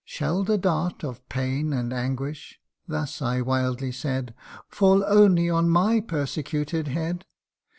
' Shall the dart Of pain and anguish (thus I wildly said,) Fall only on my persecuted head